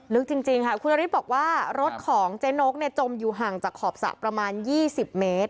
ลึกจริงค่ะคุณนฤทธิ์บอกว่ารถของเจ๊นกจมอยู่ห่างจากขอบสระประมาณ๒๐เมตร